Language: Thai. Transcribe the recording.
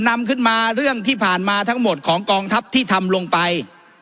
นำขึ้นมาเรื่องที่ผ่านมาทั้งหมดของกองทัพที่ทำลงไป